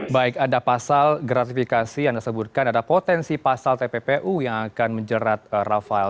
baik ada pasal gratifikasi yang anda sebutkan ada potensi pasal tppu yang akan menjerat rafael